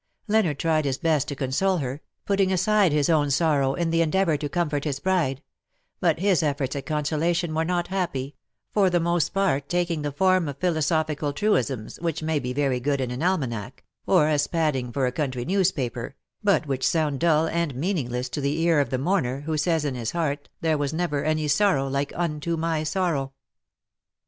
Leonard tried his best to console her, putting aside his own sorrow, in the endeavour to comfort his bride ; but his efforts at consolation were not happy, for the most part taking the form of philosophical truisms which may be very good in an almanack, or as padding for a country newspaper, but which sound dull and meaningless to the ear of the mourner who says in his heart there was never any sorrow like unto my sorrow.